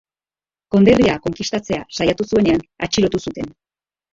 Konderria konkistatzea saiatu zuenean, atxilotu zuten.